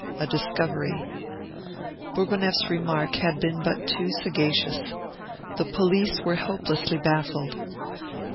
IV A DISCOVERY Bourgonef's remark had been but too sagacious. The police were hoplessly baffled.